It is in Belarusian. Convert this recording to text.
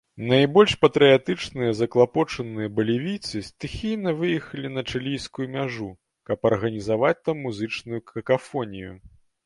Найбольш патрыятычна заклапочаныя балівійцы стыхійна выехалі на чылійскую мяжу, каб арганізаваць там музычную какафонію.